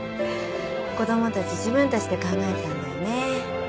子供たち自分たちで考えたんだよね。